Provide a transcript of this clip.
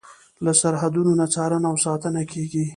له سرحدونو نه څارنه او ساتنه کیږي.